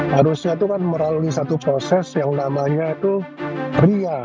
harusnya itu kan melalui satu proses yang namanya itu ria